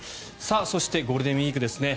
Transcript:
そしてゴールデンウィークですね